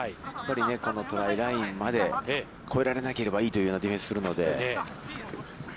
やっぱりこのトライラインまで越えられなければいいというようなディフェンスをするので。